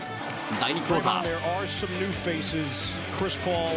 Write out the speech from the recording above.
第２クオーター。